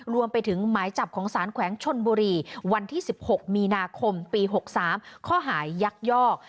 รวมไปถึงหมายจับของสารแขวงชนบุรีวันที่๑๖มีนาคมปี๖๓ข้อหายักยอก